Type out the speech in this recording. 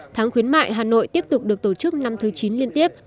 tháng khuyến mại hà nội tiếp tục được tổ chức năm thứ chín liên tiếp